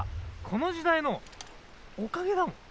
この時代のおかげだもん。